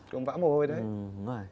cũng vã mồ hôi đấy